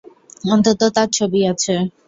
অন্তত তার ছবি আছে?